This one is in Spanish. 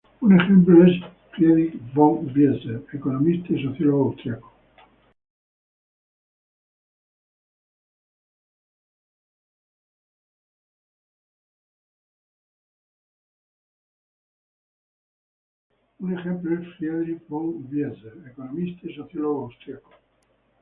Un ejemplo es Friedrich von Wieser, economista y sociólogo austriaco.